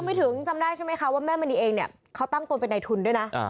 ไม่ถึงจำได้ใช่ไหมคะว่าแม่มณีเองเนี่ยเขาตั้งตัวเป็นในทุนด้วยนะ